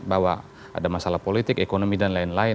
bahwa ada masalah politik ekonomi dan lain lain